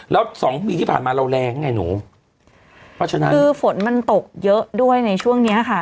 แล้วสองปีที่ผ่านมาเราแรงไงหนูเพราะฉะนั้นคือฝนมันตกเยอะด้วยในช่วงเนี้ยค่ะ